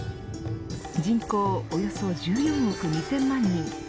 人口およそ１４億２０００万人。